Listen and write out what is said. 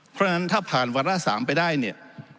เพราะฉะนั้นถ้าผ่านวาระ๓ไปได้เนี่ย